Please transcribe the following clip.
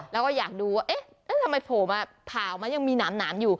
แล้วก็อยากดูว่าเอ๊ะแล้วทำไมโผล่มาผ่าออกมายังมีหนามอยู่